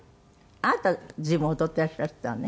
あなた随分踊っていらっしゃったわね。